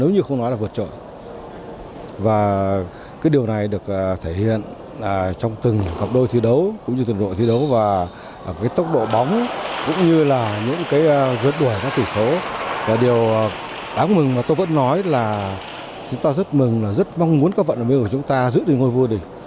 nếu chúng ta giữ được ngôi vua địch